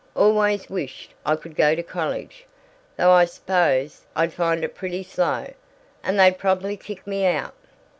Always wished I could go to college. Though I s'pose I'd find it pretty slow, and they'd probably kick me out."